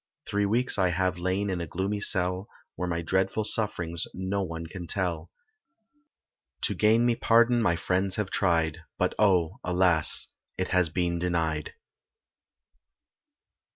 Three weeks I have lain in a gloomy cell, Where my dreadful sufferings no one can tell, To gain me pardon my friends have tried, But oh, alas, it has been denied.